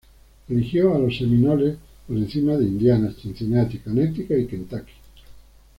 Eligió a los Seminoles por encima de Indiana, Cincinnati, Connecticut y Kentucky.